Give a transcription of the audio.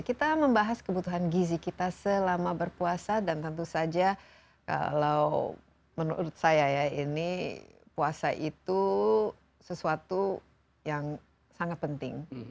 kita membahas kebutuhan gizi kita selama berpuasa dan tentu saja kalau menurut saya ya ini puasa itu sesuatu yang sangat penting